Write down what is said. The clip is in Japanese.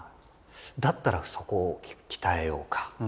だったらそこを鍛えようか。